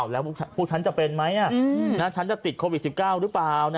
แล้วพวกฉันจะเป็นไหมฉันจะติดโควิด๑๙หรือเปล่า